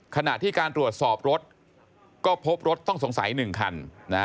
ขณะที่การตรวจสอบรถก็พบรถต้องสงสัย๑คัน